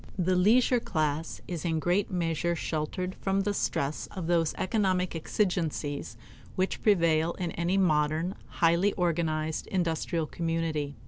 The leisure class is in great measure sheltered from the stress of those economic exigencies which prevail in any modern, highly organized industrial community.